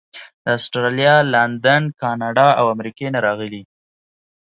د اسټرالیا، لندن، کاناډا او امریکې نه راغلي.